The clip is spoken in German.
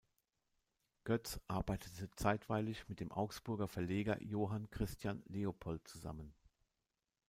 Göz arbeitete zeitweilig mit dem Augsburger Verleger Johann Christian Leopold zusammen.